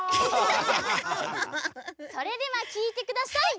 それではきいてください！